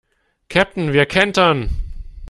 Käpt'n, wir kentern!